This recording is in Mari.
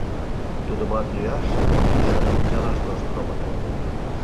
Тудымат лӱяш мо, шыдын ончалаш тоштын огытыл.